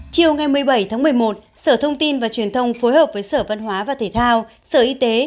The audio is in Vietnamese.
chiều ngày một mươi bảy tháng một mươi một sở thông tin và truyền thông phối hợp với sở văn hóa và thể thao sở y tế